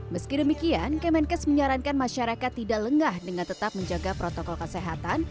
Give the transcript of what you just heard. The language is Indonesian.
meski demikian kemenkes menyarankan masyarakat tidak lengah dengan tetap menjaga protokol kesehatan